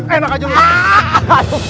eh enak aja lu